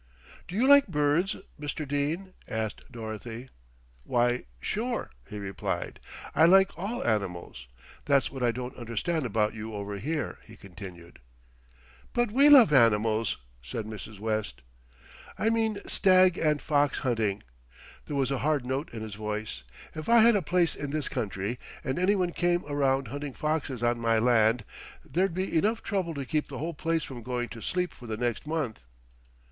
"Do you like birds, Mr. Dene?" asked Dorothy. "Why, sure," he replied, "I like all animals. That's what I don't understand about you over here," he continued. "But we love animals," said Mrs. West. "I mean stag and fox hunting." There was a hard note in his voice. "If I had a place in this country and anyone came around hunting foxes on my land, there'd be enough trouble to keep the whole place from going to sleep for the next month."